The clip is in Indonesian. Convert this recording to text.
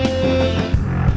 saya akan menemukan mereka